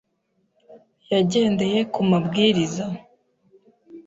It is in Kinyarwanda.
yagendeye ku mabwiriza